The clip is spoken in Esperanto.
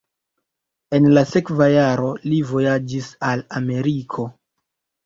En la sekva jaro li vojaĝis al Ameriko.